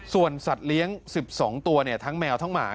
ส่วนสัตว์เลี้ยง๑๒ตัวทั้งแมวทั้งหมา